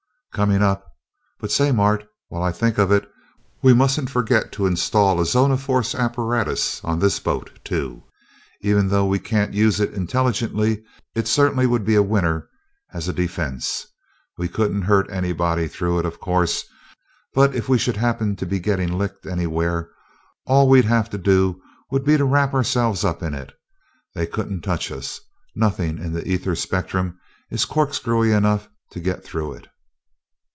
"Coming up. But say, Mart, while I think of it, we mustn't forget to install a zone of force apparatus on this boat, too. Even though we can't use it intelligently, it certainly would be a winner as a defense. We couldn't hurt anybody through it, of course, but if we should happen to be getting licked anywhere, all we'd have to do would be to wrap ourselves up in it. They couldn't touch us. Nothing in the ether spectrum is corkscrewy enough to get through it."